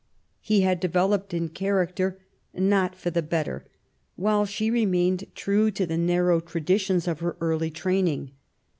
He had developed in char acter, not for the better, while she remained true to the narrow traditions of her early training.